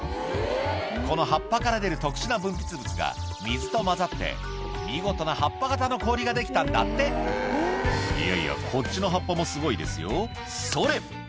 この葉っぱから出る特殊な分泌物が水と混ざって見事な葉っぱ形の氷ができたんだって「いやいやこっちの葉っぱもすごいですよそれ！」